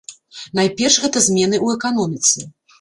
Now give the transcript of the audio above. Найперш гэта змены ў эканоміцы.